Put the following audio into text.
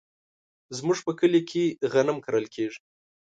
زمونږ په کلي کې غنم کرل کیږي.